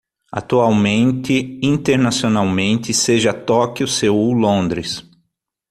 Atualmente internacionalmente, seja Tóquio, Seul, Londres